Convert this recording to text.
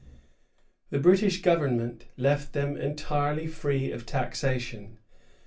The British Government left them entirely free of taxation.